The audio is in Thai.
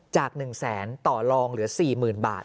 จาก๑แสนต่อรองเหลือ๔หมื่นบาท